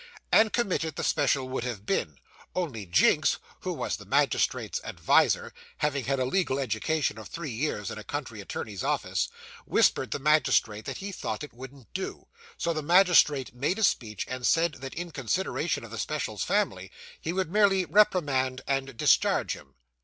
And committed the special would have been, only Jinks, who was the magistrate's adviser (having had a legal education of three years in a country attorney's office), whispered the magistrate that he thought it wouldn't do; so the magistrate made a speech, and said, that in consideration of the special's family, he would merely reprimand and discharge him.